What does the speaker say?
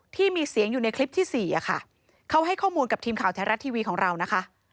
ที่มีเสียงอยู่ในคลิปที่สี่อะค่ะเขาให้ข้อมูลกับทีมข่าวแท้รัฐทีวีของเรานะคะ